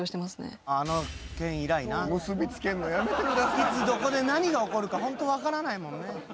いつどこで何が起こるかホント分からないもんね。